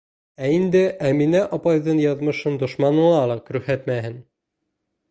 Ә инде Әминә апайҙың яҙмышын дошманыңа ла күрһәтмәһен.